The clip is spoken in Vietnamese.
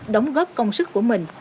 đóng góp công sức của mình